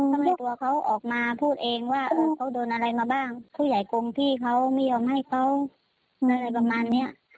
ทำไมตัวเขาออกมาพูดเองว่าเขาโดนอะไรมาบ้างผู้ใหญ่กงพี่เขาไม่ยอมให้เขาอะไรประมาณเนี้ย